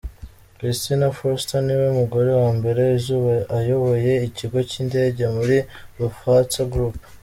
Christina Foerster niwe mugore wa mbere uzaba ayoboye ikigo cy’indege muri Lufthansa Group.